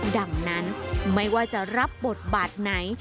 ดังนั้นไม่ว่าจะรับบทบาทไหน